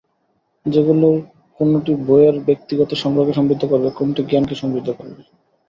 যেগুলোর কোনটি বইয়ের ব্যক্তিগত সংগ্রহকে সমৃদ্ধ করবে, কোনটি জ্ঞানকে করবে শাণিত।